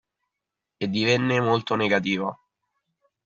E divenne molto negativa.